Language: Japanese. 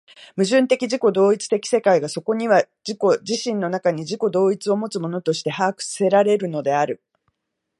矛盾的自己同一的世界がそこには自己自身の中に自己同一をもつものとして把握せられるのである。